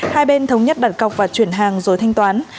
hai bên thống nhất đặt cọc và chuyển hàng rồi thanh toán